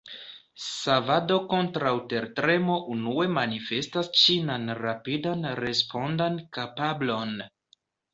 Savado kontraŭ tertremo unue manifestas ĉinan rapidan respondan kapablon.